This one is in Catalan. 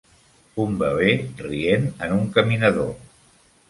Un bebè rient en un caminador.